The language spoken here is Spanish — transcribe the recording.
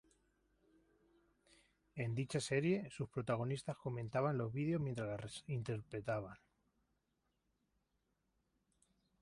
En dicha serie, sus protagonistas comentaban los vídeos mientras las interpretaban.